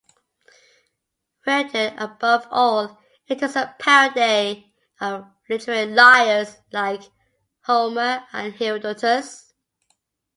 Reardon, "above all, it is a parody of literary 'liars' like Homer and Herodotus".